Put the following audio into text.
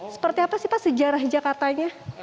seperti apa sih pak sejarah jakartanya